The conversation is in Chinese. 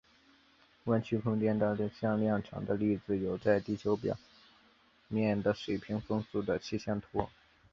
弯曲空间的向量场的例子有在地球表面的水平风速的气象图。